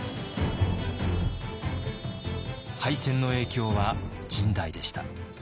敗戦の影響は甚大でした。